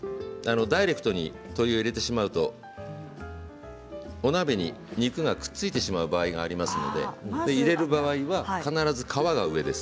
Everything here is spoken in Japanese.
ダイレクトに入れてしまうとお鍋に肉がくっついてしまう場合がありますので入れる場合は必ず皮が上です。